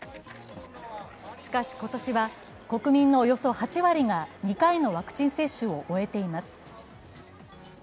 しかし今年は、国民のおよそ８割が２回のワクチン接種を終えています。